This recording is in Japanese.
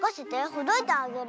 ほどいてあげる。